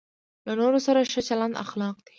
له نورو سره ښه چلند اخلاق دی.